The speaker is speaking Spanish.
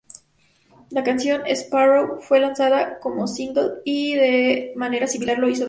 La canción "Sparrow", fue lanzada como single, y de manera similar lo hizo bien.